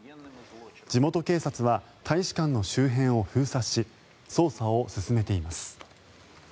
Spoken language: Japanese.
地元警察は大使館の周辺を封鎖し捜査を進めています。